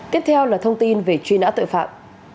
tiếp theo là thông tin về truy nã tội phạm